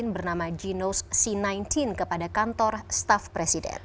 bernama ginos c sembilan belas kepada kantor staff presiden